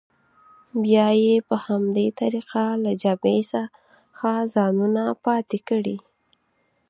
بیا یې په همدې طریقه له جبهې څخه ځانونه پاتې کړي.